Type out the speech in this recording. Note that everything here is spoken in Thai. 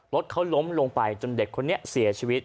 รถเขาล้มลงไปจนเด็กคนนี้เสียชีวิต